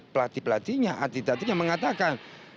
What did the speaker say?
pelatih pelatihnya atlet atletnya mengatakan